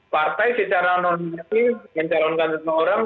partai secara normatif mencalonkan seseorang